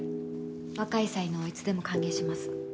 若い才能はいつでも歓迎します。